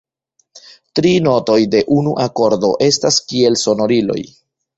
Tri notoj de unu akordo estas kiel sonoriloj.